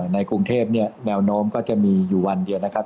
ในกรุงเทพเนี่ยแนวโน้มก็จะมีอยู่วันเดียวนะครับ